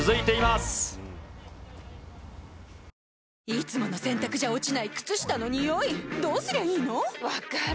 いつもの洗たくじゃ落ちない靴下のニオイどうすりゃいいの⁉分かる。